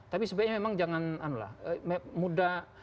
tapi sebenarnya memang jangan muda